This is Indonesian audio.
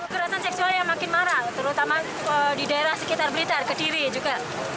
keratan seksual yang makin mahal terutama di daerah sekitar blitar kediri juga